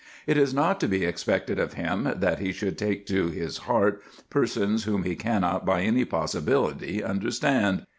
It is not to be expected of him that he should take to his heart persons whom he cannot by any possibility understand.